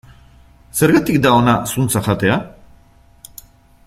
Zergatik da ona zuntza jatea?